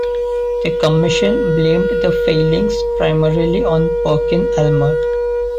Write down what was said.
The commission blamed the failings primarily on Perkin-Elmer.